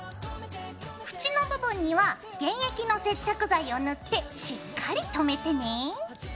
縁の部分には原液の接着剤を塗ってしっかりとめてね。